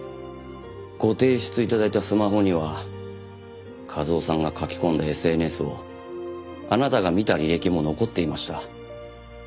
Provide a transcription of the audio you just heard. ご提出頂いたスマホには一雄さんが書き込んだＳＮＳをあなたが見た履歴も残っていました。